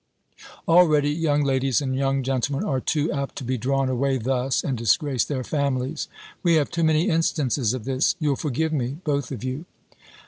Already, young ladies and young gentlemen are too apt to be drawn away thus, and disgrace their families. We have too many instances of this. You'll forgive me, both of you."